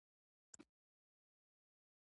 کاناډا دوه رسمي ژبې لري.